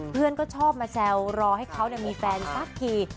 เพื่อนก็ชอบมาแซวรอให้เขามีแฟนสักที